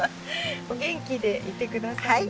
お元気でいて下さいね。